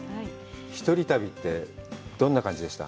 一人旅ってどんな感じでした？